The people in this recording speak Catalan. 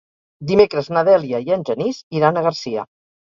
Dimecres na Dèlia i en Genís iran a Garcia.